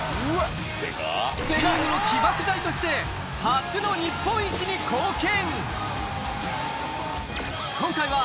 チームの起爆剤として初の日本一に貢献